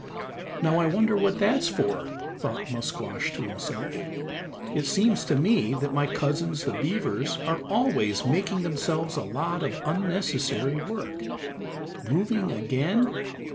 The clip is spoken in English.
"Now I wonder what that's for?" thought Musquash to himself; "it seems to me that my cousins the beavers are always making themselves a lot of unnecessary work. Moving again?